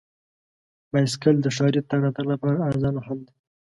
بایسکل د ښاري تګ راتګ لپاره ارزانه حل دی.